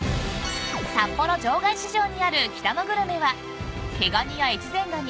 ［札幌場外市場にある北のグルメは毛ガニや越前がに